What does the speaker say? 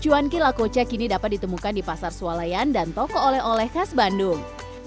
cuanki lakoca kini dapat ditemukan di pasar sualayan dan toko oleh oleh khas bandung